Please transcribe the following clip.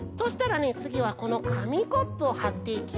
つぎはこのかみコップをはっていきます。